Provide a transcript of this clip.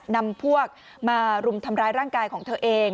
นำพวกมารุมทำร้ายร่างกายของเธอเอง